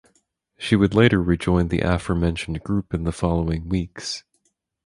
She would later rejoin the aforementioned group in the following weeks.